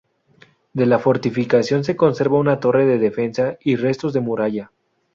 De la fortificación se conserva una torre de defensa y restos de muralla.